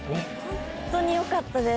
ホントによかったです